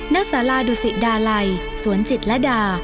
นักศาลาดุสิดาลัยสวนจิตและดา